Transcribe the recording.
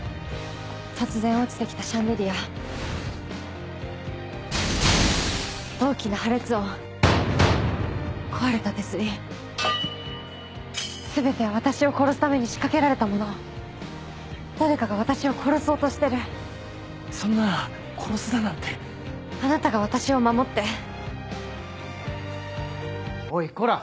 突然落ちて来たシャンデリア大きな破裂音破裂音壊れた手すり全ては私を殺すために仕掛けられたも誰かが私を殺そうとしてるそんな殺すだなんてあなたが私を守っておいこら！